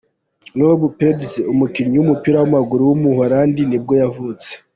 Rob Penders, umukinnyi w’umupira w’amaguru w’umuholandi nibwo yavutse.